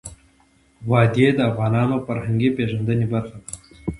وادي د افغانانو د فرهنګي پیژندنې برخه ده.